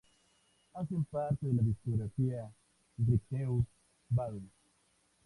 Hacen parte de la discográfica Righteous Babe.